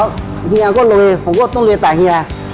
เพราะเฮียก็เลยผมก็ต้องได้เลยตามเฮีย